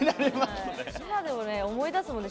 今でも思い出すもんね。